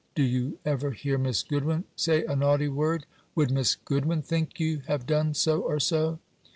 Do you ever hear Miss Goodwin say a naughty word? Would Miss Goodwin, think you, have done so or so?"